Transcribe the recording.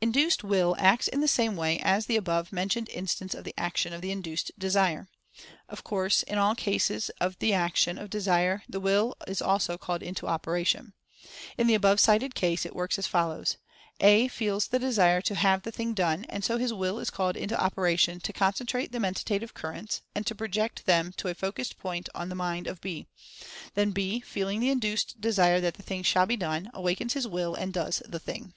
Induced Will acts in the same way as the above mentioned instance of the action of induced Desire. Of course, in all cases of the action of Desire the Will is also called into operation. In the above cited case it works as follows: A feels the Desire to have the thing done, and so his Will is called into operation to concentrate the Mentative Currents, and to project them to a focussed point in the mind of B; then B, feeling the induced Desire that the thing shall be done, \/. 52 Mental Fascination awakens his Will and does the thing.